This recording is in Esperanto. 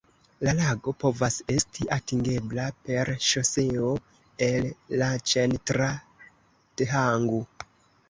La lago povas esti atingebla per ŝoseo el Laĉen tra Thangu.